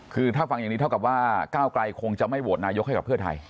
คือถ้าฟังอย่างนี้เท่ากับว่าก้าวไกลคงจะไม่โหวตนายกให้กับเพื่อไทย